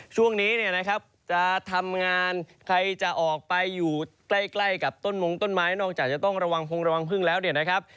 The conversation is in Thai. ช่วงนี้เนี่ยนะครับจะทำงานใครจะออกไปอยู่ใกล้กับต้นมงต้นไม้นอกจากจะต้องระวังพงระวังพึ่งแล้วเนี่ยนะครับ